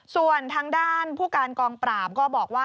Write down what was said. ส่วนทางด้านผู้การกองปราบก็บอกว่า